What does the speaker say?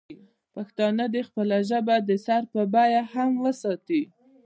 پښتانه دې خپله ژبه د سر په بیه هم وساتي.